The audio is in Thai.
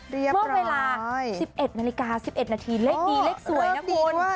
เมื่อเวลา๑๑นาฬิกา๑๑นาทีเลขดีเลขสวยนะคุณ